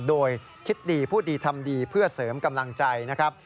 โดยคิดดีพูดดีทำดีเพื่อเสริมกำลังใจนะครับ